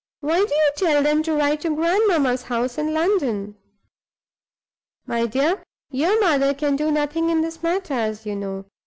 Why do you tell them to write to grandmamma's house in London?" "My dear! your mother can do nothing in this matter, as you know.